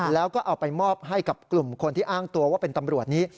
แล้วก็เอาไปมอบให้กับกลุ่มคนที่อ้างตัวว่าเป็นตำรวจนี้